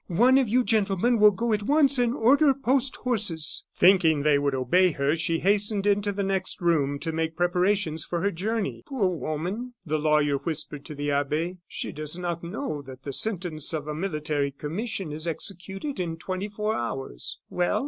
One of you gentlemen will go at once and order post horses." Thinking they would obey her, she hastened into the next room to make preparations for her journey. "Poor woman!" the lawyer whispered to the abbe, "she does not know that the sentence of a military commission is executed in twenty four hours." "Well?"